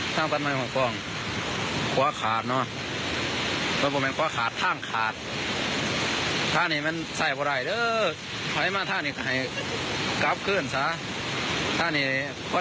ถ้ารถย้ำหันอาจจะได้อยู่ถือว่าย่างขามได้อยู่ก็ว่ามีขวาเกาหันขาม